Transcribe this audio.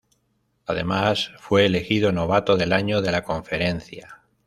Además, fue elegido novato del año de la conferencia.